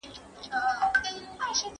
خو ستا د وینې غوړ زیات شوي.